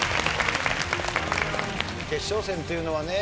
決勝戦というのはね